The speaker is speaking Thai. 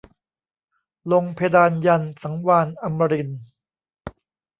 ลงเพดานยันต์สังวาลอัมรินทร์